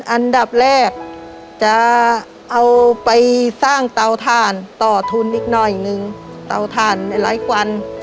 อันดับแรกจะเอาไปสร้างเตาถ่านต่อทุนอีกหน่อยนึงเตาถ่านในไร้ควัน